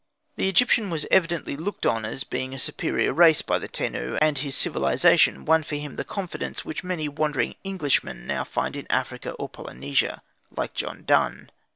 The Egyptian was evidently looked on as being of a superior race by the Tenu, and his civilisation won for him the confidence which many wandering Englishmen now find in Africa or Polynesia, like John Dunn.